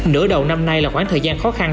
nửa đầu năm nay là khoảng thời gian khó khăn